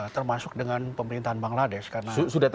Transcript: termasuk dengan pemerintahan bangladesh karena sudah terjadi tuh